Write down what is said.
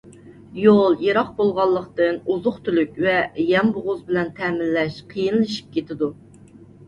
يول يىراق بولغانلىقتىن، ئوزۇق-تۈلۈك ۋە يەم-بوغۇز بىلەن تەمىنلەش قىيىنلىشىپ كېتىدۇ.